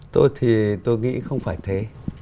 tôi thì tôi nghĩ không phải thế